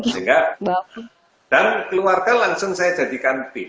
sehingga dan keluarga langsung saya jadikan tim